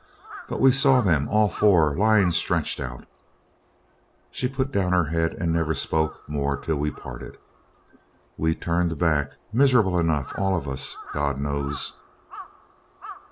But we saw them all four lying stretched out.' She put down her head and never spoke more till we parted. ..... We turned back, miserable enough all of us, God knows.